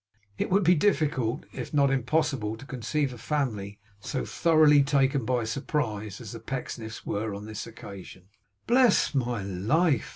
It would be difficult, if not impossible, to conceive a family so thoroughly taken by surprise as the Pecksniffs were, on this occasion. Bless my life!